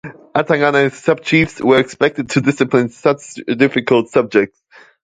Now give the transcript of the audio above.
Atangana and his sub-chiefs were expected to discipline such difficult subjects.